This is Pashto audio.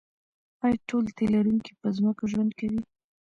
ایا ټول تی لرونکي په ځمکه ژوند کوي